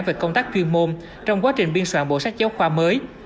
về công tác chuyên môn trong quá trình biên soạn bộ sách giáo khoa mới